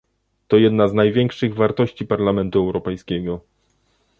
To jedna z największych wartości Parlamentu Europejskiego